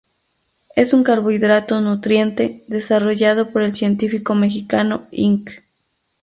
Es un carbohidrato nutriente, desarrollado por el científico mexicano Ing.